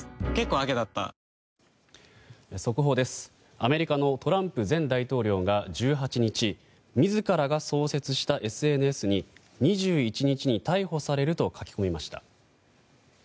アメリカのトランプ前大統領が１８日、自らが創設したＳＮＳに２１日に逮捕されると書き込みました。